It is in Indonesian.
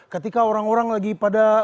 ketika orang orang lagi pada